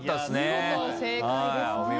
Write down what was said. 見事正解ですね。